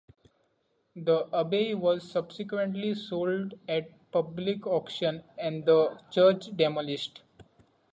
The abbey was subsequently sold at public auction and the church demolished.